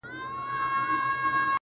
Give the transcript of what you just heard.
زه به د درد يوه بې درده فلسفه بيان کړم-